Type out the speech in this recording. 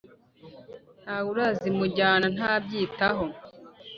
nta we urazimujyana nabyitaho.